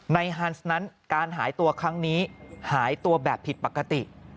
ฮันส์นั้นการหายตัวครั้งนี้หายตัวแบบผิดปกติ